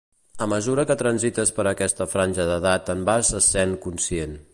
A mesura que transites per aquesta franja d’edat en vas essent conscient.